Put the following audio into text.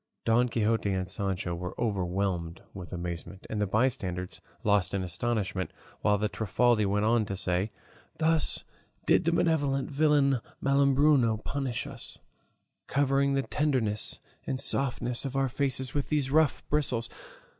Don Quixote and Sancho were overwhelmed with amazement, and the bystanders lost in astonishment, while the Trifaldi went on to say: "Thus did that malevolent villain Malambruno punish us, covering the tenderness and softness of our faces with these rough bristles!